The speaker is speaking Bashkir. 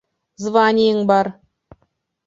Званиең бар!